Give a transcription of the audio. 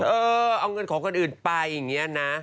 เออเอาเงินของคนอื่นไปอย่างนี้นะ